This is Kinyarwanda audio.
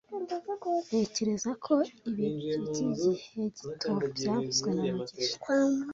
Ntekereza ko ibi byigihe gito byavuzwe na mugisha